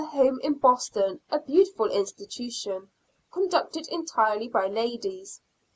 home in Boston, a beautiful institution, conducted entirely by ladies.